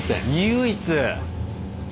唯一！